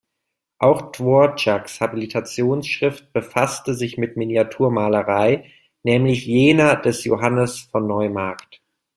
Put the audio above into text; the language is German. Auch Dvořáks Habilitationsschrift befasste sich mit Miniaturmalerei, nämlich jener des Johannes von Neumarkt.